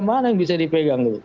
mana yang bisa dipegang